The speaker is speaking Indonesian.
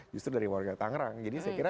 justru dari warga tangerang jadi saya kira